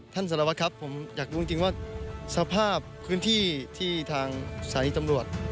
สารวัตรครับผมอยากรู้จริงว่าสภาพพื้นที่ที่ทางสายตำรวจ